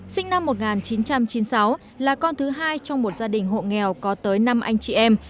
sinh năm một nghìn chín trăm chín mươi sáu là con thứ hai trong một gia đình hộ nghèo có tới năm anh chị em